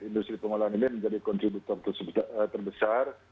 industri pengolahan ini menjadi kontributor terbesar